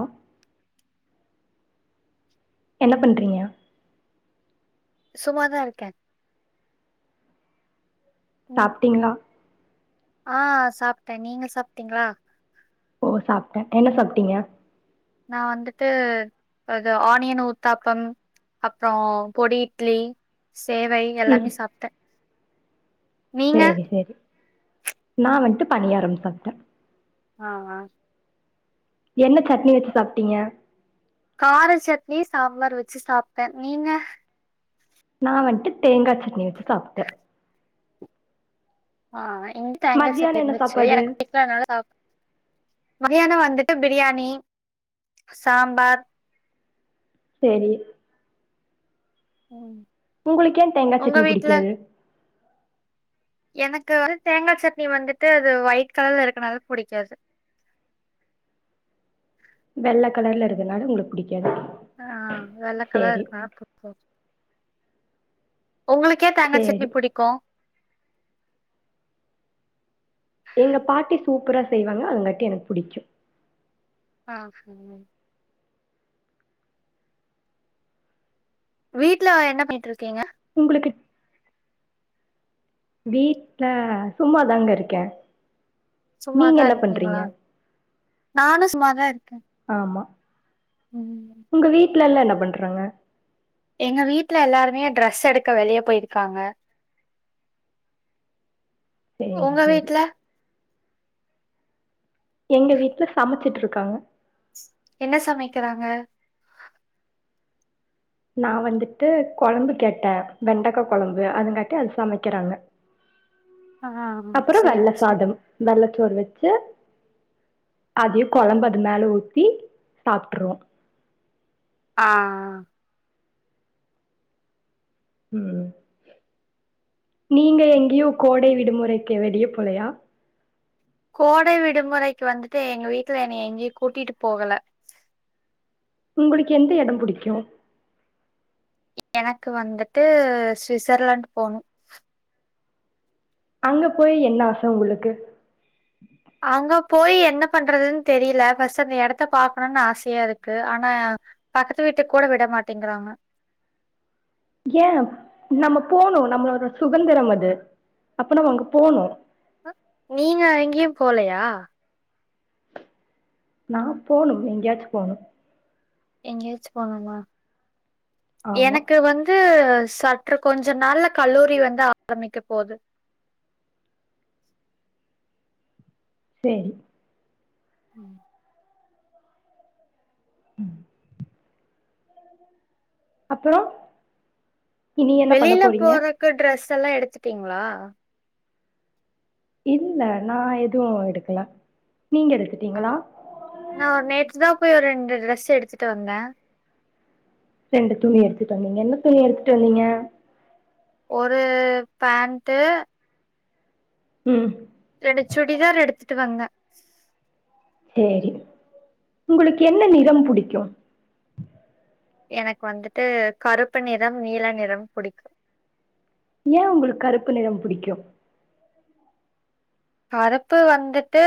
ஆ என்ன பண்றீங்க சும்மாதா இருக்கே ம் சாப்ட்டீங்களா ஆ சாப்ட்டே நீங்க சாப்ட்டீங்களா ஓ சாப்ட்டேன் என்ன சாப்ட்டீங்க நான் வந்துட்டு அது ஆனியன் ஊத்தாப்பம் அப்ரோ பொடி இட்லி சேவை ம் எல்லாமே சாப்டே சேரி சேரி நா வன்ட்டு பணியாரம் சாப்ட்ட ஆ அ என்ன சட்னி வச்சு சாப்ட்டீங்க கார சட்னி சாம்பாரு வச்சு சாப்ட்டே நீங்க நான் வந்துட்டு தேங்கா சட்னி வச்சு சாப்டே ஆ இங்க தேங்க சட்னி மத்தியானோ என்ன இருந்துச்சு சாப்பாடு எனக்கு பிடிக்காதுனால ஆ மதியானோ வந்துட்டு பிரியாணி சாம்பார் சேரி ம் உங்களுக்கு ஏன் தேங்காய் உங்க சட்னி வீட்ல புடிக்காது எனக்கு வன்ட்டு தேங்கா சட்னி வந்துட்டு அது ஒயிட் கலர்ல இருக்கனால புடிக்காது வெள்ள கலர்ல இருக்றதுனால உங்களுக்கு புடிக்காது ஆ வெல்ல கலரு சேரி இருக்கனால புடிக்காது உங்களுக்கு ஏ தேங்கா சேரி சட்னி புடிக்கு எங்க பாட்டி சூப்பரா செய்வாங்க அதுங்காட்டி எனக்கு புடிக்கு ஆ சரி வீட்ல என்ன பண்ணிட்டு இருக்கீங்க உங்களுக்கு வீட்ல சும்மாதாங்க இருக்கே நீங்க சும்மாதா என்ன பண்றீங்க இருக்கீங்ளா நானு சும்மாதா இருக்கே ஆமா ம் உங்க வீட்டுல எல்லா என்ன பண்றாங்க எங்க வீட்டுல எல்லாருமே ட்ரெஸ் எடுக்க வெளிய போயிருக்காங்க சேரி உங்க சேரி வீட்ல எங்க வீட்டுல சமைச்சிட்டு இருக்காங்க என்ன சமைக்கிறாங்க நா வந்துட்டு குழம்பு கேட்டே வெண்டைக்கா கொழம்பு அதுங்காட்டி அது சமைக்கிறாங்க ஆ அப்புறம் சேரி வெள்ள சேரி சாதம் வெள்ள சோறு வச்சு அதே கொழம்பு அது மேலே ஊத்தி சாப்ட்டுருவோ ஆ ம் நீங்க எங்கேயூ கோடை விடுமுறைக்கு வெளிய போலையா கோடை விடுமுறைக்கு வந்துட்டு எங்க வீட்ல என்ன எங்கேயு கூட்டிட்டு போகல உங்களுக்கு எந்த எடம் புடிக்கு எனக்கு வந்துட்டு சுவிட்சர்லாந்து போனு அங்க போய் என்ன ஆச உங்களுக்கு அங்க போய் என்ன பண்றதுன்னு தெரில ஃபர்ஸ்ட்டு அந்த இடத்த பாக்கணுன் ஆசையா இருக்கு ஆனா பக்கத்து வீட்டுக்கு கூட விட மாட்டேங்கிறாங்க ஏன் நம்ம போனு நம்மளோண சுதந்திரம் அது அப்ப நம்ம அங்க போனு நீங்க எங்கயு போலையா நா போனு எங்கேயாச்சு போணு எங்கயாச்சு போனுமா ஆமா எனக்கு வந் து சற்று கொஞ்ச நாள்ல கல்லூரி வந்து ஆரம்பிக்க போது செரி ம் ம் அப்றோ வெளில போறக்கு ட்ரெஸ் எல்லா எடுத்துட்டீங்ளா இல்ல நா எது எடுக்கல நீங்க எடுத் ஆ நா நேத்து தா போய் ஒரு ரெண்டு ட்ரெஸ்ஸு எடுத்துட்டு வந்த ரெண்டு துணி எடுத்துட்டு வந்தீங்க என்ன துணி எடுத்துட்டு வந்தீங்க ஒரு பேண்ட்டு ம் ரெண்டு சுடிதார் எடுத்துட்டு வந்த சேரி உங்களுக்கு என்ன நிறம் புடிக்கு எனக்கு வந்துட்டு கருப்பு நிறம் நீள நிறம் புடிக்கு ஏன் உங்களுக்கு கருப்பு நிறம் புடிக்கு கருப்பு வந்துட்டு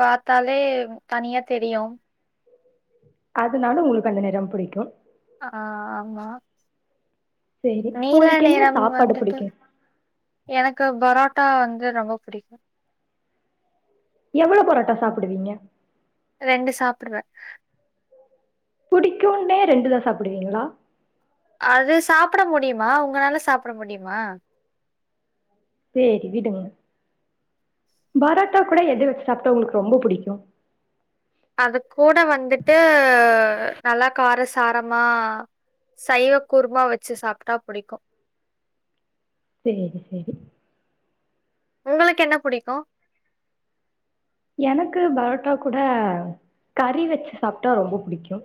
பாத்தாலே தனியா தெரியு அதுனால உங்களுக்கு அந்த நிறம் புடிக்கு ஆ ஆமா சேரி நீல உங்களுக்கு என்ன நிறம் சாப்பாடு வந்துட்டு புடிக்கு எனக்கு பரோட்டா வந்து ரொம்ப புடிக்கு எவ்ளோ புரோட்டா சாப்டுவீங்க ரெண்டு சாப்டுவ புடிக்குன்னே ரெண்டு தா சாப்டுவீங்ளா அது சாப்ட முடியுமா உங்கனால சாப்ட முடியுமா சேரி விடுங்க பரோட்டா கூட எத வச்சு சாப்ட்டா உங்களுக்கு ரொம்ப புடிக்கு அது கூட வந்துட்டு நல்லா காரசாரமா சைவ குருமா வச்சு சாப்ட்டா புடிக்கு சேரி சேரி உங்களுக்கு என்ன புடிக்கு எனக்கு பரோட்டா கூட கறி வச்சு சாப்டா ரொம்ப புடிக்கு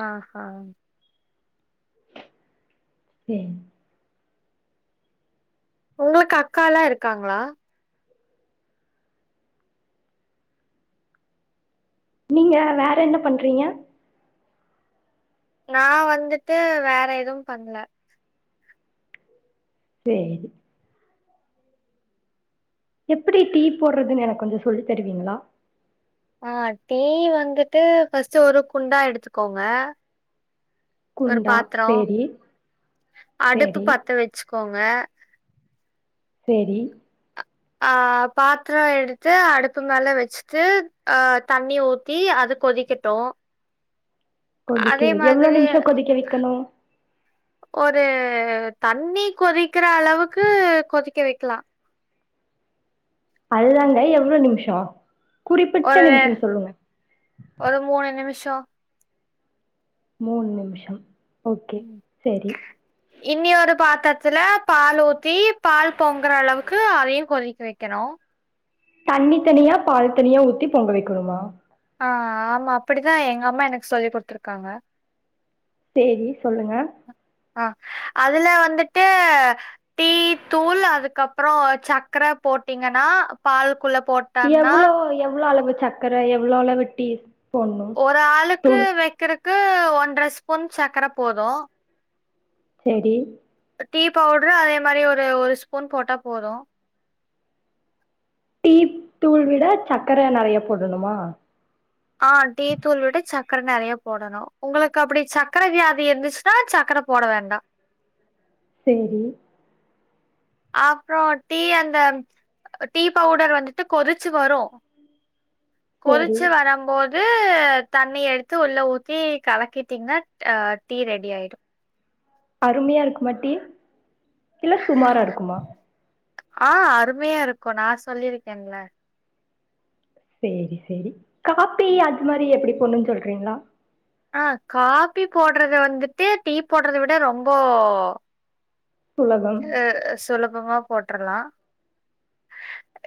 ஆ ஹ சேரி உங்களுக்கு அக்காலா இருக்காங்ளா நீங்க வேற என்ன பண்றீங்க நா வந்துட்டு வேற எதுவு பண்ல சேரி எப்டி டீ போடுறதுன்னு எனக்கு கொஞ்சோ சொல்லி தருவீங்களா ஆ டீ வந்துட்டு ஃபர்ஸ்ட் ஒரு குண்டா எடுத்துக்கோங்க ஒரு குண்டா பாத்ரோ சேரி அடுப்பு சேரி பத்த வச்சுக்கோங்க சேரி ஆ பாத்ரோ எடுத்து அடுப்பு மேல வச் சு ஆ தண்ணி ஊத்தி அது கொதிக்கட்டு கொதிக்கனு எவ்ளோ நிமிஷோ கொதிக்க வைக்கணு ஒரு தண்ணி கொதிக்கற அளவுக்கு கொதிக்க வைக்கலா அதுதாங்க எவ்ளோ நிம்ஷோ குறிப்பிட்ட ஒரு நிமிஷம் சொல்லுங்க ஒரு மூணு நிமிஷோ மூணு நிம்ஷோ ஓகே சேரி இன்னி ஒரு பாத்திரத்துல பால் ஊத்தி பால் பொங்குற அளவுக்கு அதையு கொதிக்க வைக்கணு தண்ணி தனியா பால் தனியா ஊத்தி பொங்க வைக்கணுமா ஆ ஆமா அப்டிதா எங்க அம்மா எனக்கு சொல்லி குடுத்துருக்காங்க சேரி சொல்லுங்க அ அதுல வந்துட்டு டீ தூள் அதுக்கப்றோ சக்கர போட்டீங்கன்னா பால்குள்ள போட் எவ்ளோ எவ்ளோ அளவு சர்க்கர எவ்ளோ அளவு டீ போட்ணு ஒரு ஆளுக்கு தூள் வைக்கறக்கு ஒன்ற ஸ்பூன் சக்கர போது சேரி டீ பவுடரு அதே மாரி ஒரு ஒரு ஸ்பூன் போட்டா போது டீ தூள்விட சக்கர நெறைய போடணுமா ஆ டீ தூள் விட சக்கர நெறைய போடணு உங்களுக்கு அப்டி சக்கர வியாதி இருந்துச்சு னா சக்கர போட வேண்டா சேரி அப்றோ டீ அந்த டீ பவுடர் வந்துட்டு கொதிச்சு வரு [inaudible] கொதிச்சு வரம் போ து தண்ணி எடுத்து உள்ள ஊத்தி கலக்கிட்டீங்கனா அ டீ ரெடி ஆயிடு அருமையா இருக்குமா டீ இல்ல சுமாரா இருக்குமா ஆ அருமையா இருக்கு நா சொல்லியிருக்கேன்ல சேரி சேரி காப்பி அது மாரி எப்டி போடுன்னு சொல்றீங்களா ஆ காப்பி போடுறது வந்துட்டு டீ போடுறத விட ரொம்ப சுலபம் அ சுலபமா போட்டுரலா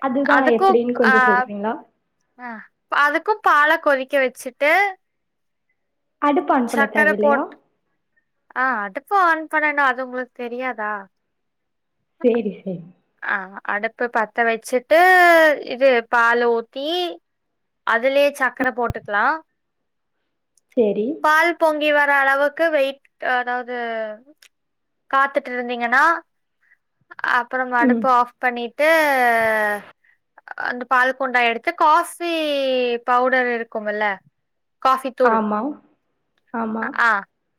அதுதா அதுக்கு எப்டின் ஆ கொஞ்சோ சொல்றீங்ளா அ அதுக்கு பால கொதிக்க வச்சுட்டு அடுப்ப ஆன் பண்ண சக்கர போட் தேவையில்லையா ஆ அடுப்ப ஆன் பண்ணனு அது உங்களுக்கு தெரியாதா சேரி சேரி ஆ அடுப்ப பத்த வச்சிட்டு இது பால ஊத்தி அதுலயே சக்கர போட்டுக்கலா சேரி பால் பொங்கி வர அளவுக்கு வெயிட் அதாவது காத்துட்டு இருந்தீங்கன்னா அ இப்ப நம்ம ம் அடுப்ப ஆஃப் பண்ணிட்டு அந்த பால் குண்டா எடுத்து காஃபி பவுடர் இருக்கும்மில்ல காஃபி தூள் ஆமா ஆமா அ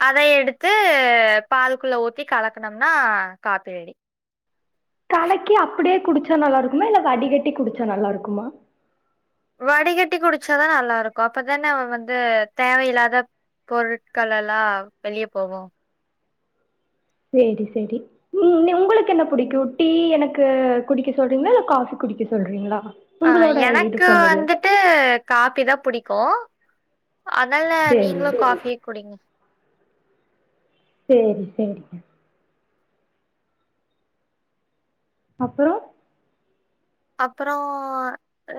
அத எடுத்து பால்க் குள்ள ஊத்தி கலக்குனம்னா காப்பி ரெடி கலக்கி அப்டியே குடிச்சா நல்லா இருக்குமா இல்ல வடிகட்டி குடிச்சா நல்லா இருக்குமா வடிகட்டி குடிச்சாதா நல்லா இருக்கு அப்பதானே வந்து தேவையில்லாத பொருட்கள் எல்லா வெளியே போகு சேரி சேரி ம் உங்களுக்கு என்ன புடிக்கு டீ எனக்கு குடிக்க சொல்றீங்ளா இல்ல காபி குடிக்க சொல்றீங்ளா ஆ எனக்கு வந்து ட்டு காப்பி தா புடிக்கு அதனால சேரி நீங்களு காஃபியே குடிங்க சேரி சேரிங்க அப்பறோ அப்புறோ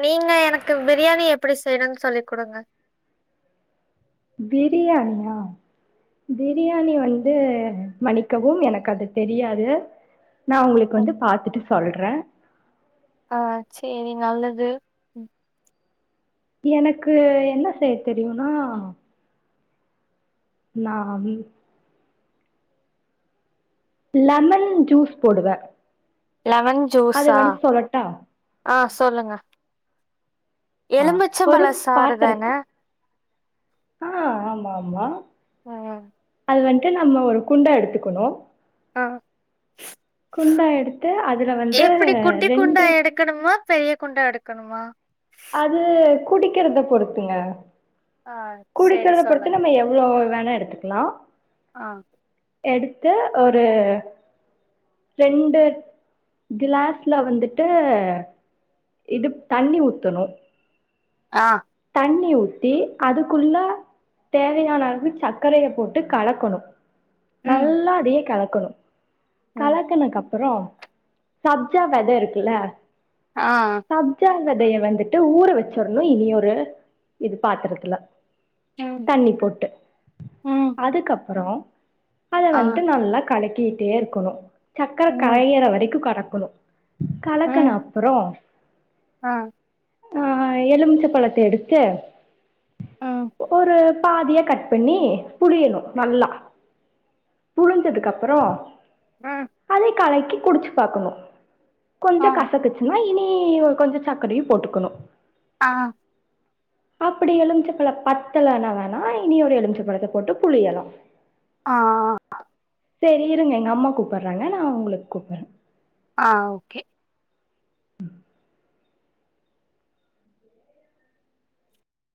நீங்க எனக்கு பிரியாணி எப்டி செய்யணும்னு சொல்லி குடுங்க பிரியாணியா பிரியாணி வந்து மன்னிக்கவும் எனக்கு அது தெரியாது நா உங்களுக்கு வந்து பாத்துட்டு சொல்ற ஆ சேரி நல்லது எனக்கு என்ன செய்ய தெரியும்னா நா லீவ் லெமன் ஜூஸ் போடுவே லெமன் அது ஜூஸா வேணா சொல்லட்டா அ சொல்லுங்க ஆ எலும்பிச்சம்பழ ஒரு சாறு பாத்தரத்து தானே ஆ ஆமா ஆமா அ அது வன்ட்டு நம்ம ஒரு குண்டா எடுத்துக்கணு ஆ குண்டா எடுத்து அதுல வந்து ரெண்டு க்கணுமா பெரிய குண்டா எடுக்கணுமா அது குடிக்கிறத பொறுத்துங்க ஆ சேரி குடிக்கிறத பொறுத்து சொல்லுங்க நம்ம எவ்ளவு வேணா எடுத்துக்கலா அ எடுத்து ஒரு ரெண்டு கிளாஸ்ல வந்துட்டு இதுப் தண்ணி ஊத்தணு அ தண்ணி ஊத்தி அதுக்குள்ள தேவையான அளவு சக்கரைய போட்டு கலக்கணு ம் நல்லா அதயே கலக்கணு ம் கலக்கனுக்கப்புறோ சப்ஜா வெத இருக்குல்ல அ சப்ஜா வெதய வந்துட்டு ஊற வெச்சிர்ணு இனி ஒரு இது பாத்துரத்துல ம் தண்ணி போட்டு ம் அதுக்கப்பறோ அத ஆ வன்ட்டு நல்லா கலக்கி டே இருக்கணு சக்கர ம் கரையிற வரைக்கு கறக்குணு கலக்க ம் அப்புறோ ஆ ஆ எலுமிச்ச பழத்த எடுத்து ம் ஒரு பாதிய கட் பண்ணி புழியணு நல்லா புழிஞ்சதுக்கப்பறோ ம் தண்ணி கலக்கி குடிச்சி பாக்கணு ஆ கொஞ்சோ கசக்குச்சி னா இனி ஒரு கொஞ்சோ சக்கரையு போட்டுக்கணு ஆ அப்பிடி எலுமிச்சப்பழ பத்தலனா வேணா இனி ஒரு எலுமிச்ச பழத்த போட்டு புழியலா ஆ செரி இருங்க எங்க அம்மா கூப்ட்றாங்க நா உங்களுக்கு கூப்ட்றே ஆ ஒகே